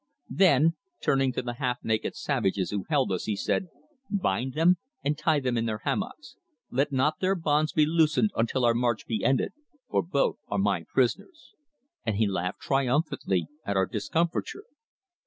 Then, turning to the half naked savages who held us, he said: "Bind them, and tie them in their hammocks. Let not their bonds be loosened until our march be ended, for both are my prisoners." And he laughed triumphantly at our discomfiture.